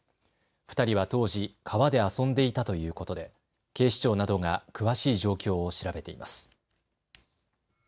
２人は当時、川で遊んでいたということで警視庁などが詳しい状況を調べています。